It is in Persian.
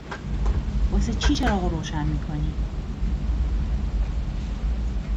واسه چی چراغ رو روشن می کنی؟